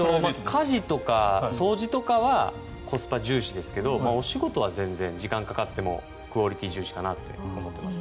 家事とか掃除とかはコスパ重視ですけどお仕事は全然、時間がかかってもクオリティー重視かなと思っています。